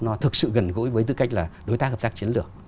nó thực sự gần gũi với tư cách là đối tác hợp tác chiến lược